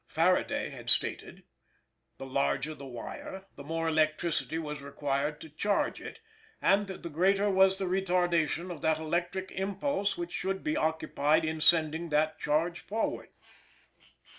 Faraday had stated: "The larger the wire, the more electricity was required to charge it; and the greater was the retardation of that electric impulse which should be occupied in sending that charge forward."